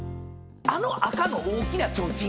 あの赤の大きな提灯。